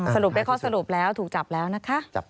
สรุปได้ข้อสรุปแล้วถูกจับแล้วนะคะ